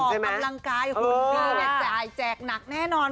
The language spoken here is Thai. ออกกำลังกายคุณดีใจแตกหนักแน่นอน